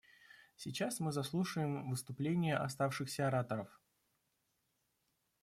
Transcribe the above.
Сейчас мы заслушаем выступления оставшихся ораторов.